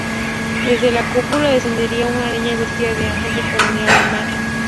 Desde la cúpula descendería una niña vestida de ángel que coronaría a la imagen.